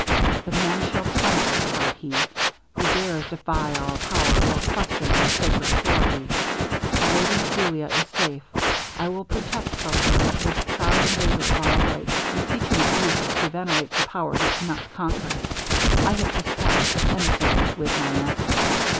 'The man shall tremble,' cried he, 'who dares defy our power, or question our sacred authority. The lady Julia is safe. I will protect her from this proud invader of our rights, and teach him at least to venerate the power he cannot conquer. I have dispatched his emissaries with my answer.'